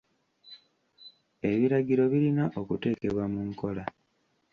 Ebiragiro birina okuteekebwa mu nkola.